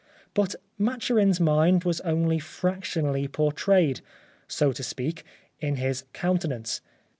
But Maturin's mind was only fractionally pourtrayed, so to speak, in his countenance.